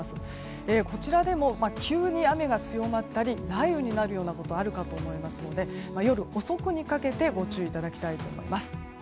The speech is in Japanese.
こちらでも急に雨が強まったり雷雨になるようなことがあるかと思いますので夜遅くにかけてご注意いただきたいと思います。